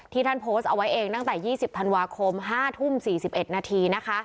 ที่ท่านโพสต์เอาไว้เองตั้งแต่ยี่สิบธันวาคมห้าทุ่มสี่สิบเอ็ดนาทีนะคะ